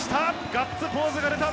ガッツポーズが出た。